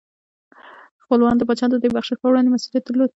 خپلوانو د پاچا د دې بخشش په وړاندې مسؤلیت درلود.